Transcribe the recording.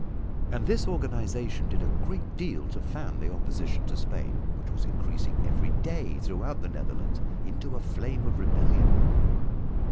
And this organization did a great deal to fan the opposition to Spain, which was increasing every day throughout the Netherlands, into a flame of rebellion.